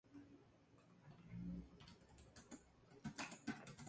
Estudió en el Real Colegio de San Carlos.